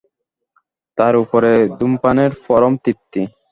তার ওপরে ধূমপানের পরম তৃপ্তি।